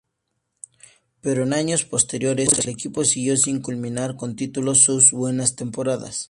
Pero en años posteriores el equipo siguió sin culminar con títulos sus buenas temporadas.